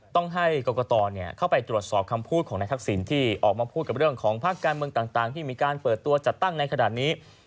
ต้องให้กรกตเข้าไปตรวจสอบคำพูดของนายทักษิณที่ออกมาพูดกับเรื่องของภาคการเมืองต่างที่มีการเปิดตัวจัดตั้งในขณะนี้